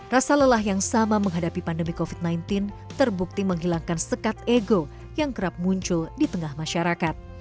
rasa lelah yang sama menghadapi pandemi covid sembilan belas terbukti menghilangkan sekat ego yang kerap muncul di tengah masyarakat